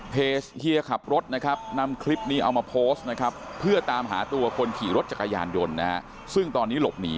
เฮียขับรถนะครับนำคลิปนี้เอามาโพสต์นะครับเพื่อตามหาตัวคนขี่รถจักรยานยนต์นะฮะซึ่งตอนนี้หลบหนี